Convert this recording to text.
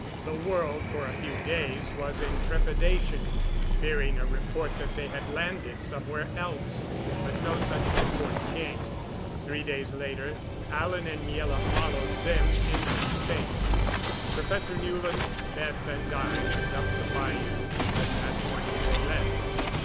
The world for a few days was in trepidation, fearing a report that they had landed somewhere else, but no such report came. Three days later Alan and Miela followed them into space. Professor Newland, Beth and I went up the bayou with them that morning they left.